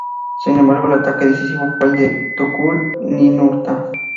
Sin embargo, el ataque decisivo fue el de Tukulti-Ninurta.